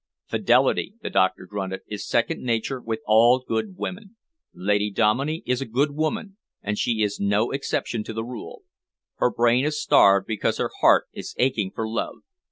"Fidelity," the doctor grunted, "is second nature with all good women. Lady Dominey is a good woman, and she is no exception to the rule. Her brain is starved because her heart is aching for love.